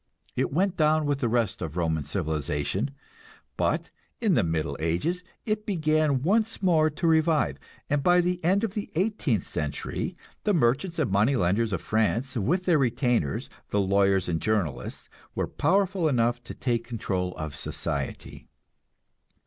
It went down with the rest of Roman civilization, but in the Middle Ages it began once more to revive, and by the end of the eighteenth century the merchants and money lenders of France, with their retainers, the lawyers and journalists, were powerful enough to take the control of society.